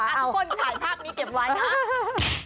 ทุกคนถ่ายภาพนี้เก็บไว้นะ